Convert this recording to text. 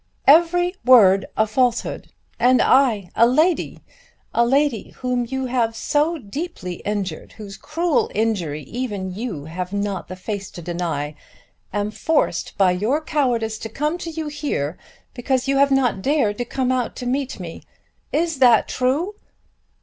"Every word a falsehood! and I, a lady, a lady whom you have so deeply injured, whose cruel injury even you have not the face to deny, am forced by your cowardice to come to you here, because you have not dared to come out to meet me. Is that true!"